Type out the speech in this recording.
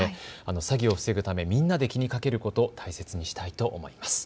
詐欺を防ぐためみんなで気にかけること大切にしたいと思います。